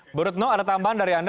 menurut noh ada tambahan dari anda